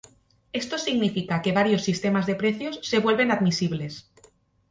Esto significa que varios sistemas de precios se vuelven admisible.